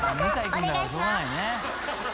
お願いします。